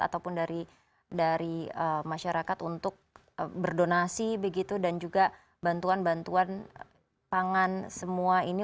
ataupun dari masyarakat untuk berdonasi begitu dan juga bantuan bantuan pangan semua ini